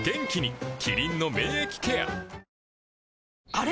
あれ？